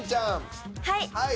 はい！